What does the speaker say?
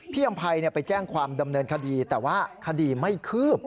อำภัยไปแจ้งความดำเนินคดีแต่ว่าคดีไม่คืบ